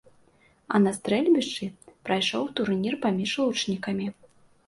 А на стрэльбішчы прайшоў турнір паміж лучнікамі.